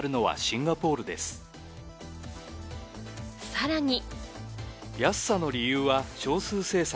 さらに。